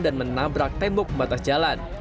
dan menabrak tembok membatas jalan